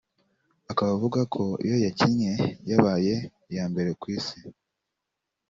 akaba avuga ko iyo yakinnye yabaye iya mbere ku isi